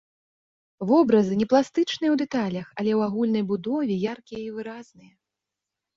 Вобразы не пластычныя ў дэталях, але ў агульнай будове яркія і выразныя.